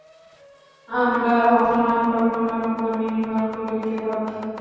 আমরা অনুমান-কল্পনার উপর নির্ভর করিতে বাধ্য।